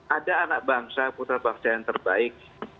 ada anak bangsa putra bangsa yang terbaik